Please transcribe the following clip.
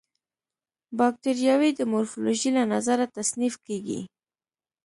باکټریاوې د مورفولوژي له نظره تصنیف کیږي.